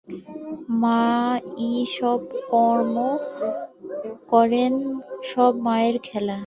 মা-ই সব কর্ম করেন, সবই মায়ের খেলা।